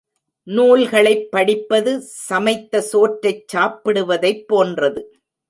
நூல்களைப் படிப்பது சமைத்த சோற்றைச் சாப்பிடுவதைப் போன்றது.